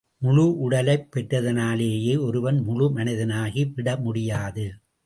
முழு உடலைப் பெற்றதனாலேயே ஒருவன் முழு மனிதனாகிவிட முடியாது.